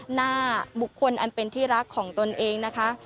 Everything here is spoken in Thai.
หน้าบุคคลอันเป็นที่รักของตนเองนะคะ